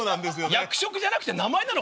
役職じゃなくて名前なの？